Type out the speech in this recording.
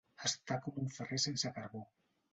Estar com un ferrer sense carbó.